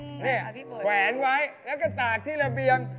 ง่ายจริงอ่ะพี่โบยแขวนไว้แล้วก็ตากที่ระเบียง